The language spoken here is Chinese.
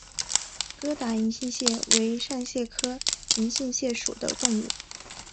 疙瘩银杏蟹为扇蟹科银杏蟹属的动物。